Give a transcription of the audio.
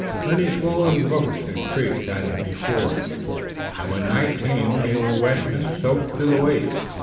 Many swollen brooks and creeks had to be forded, and when night came they were wet and soaked to the waist.